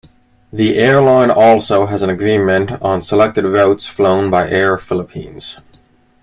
The airline also has an agreement on selected routes flown by Air Philippines.